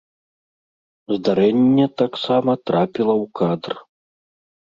Здарэнне таксама трапіла ў кадр.